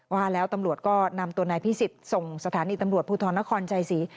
ว่าแล้วตำรวจก็นำตัวนายพิสิทธิ์ส่งสถานีตำรวจภูทรนครชัยศรี